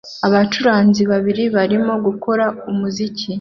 Abacuranzi babiri barimo gukora umuziki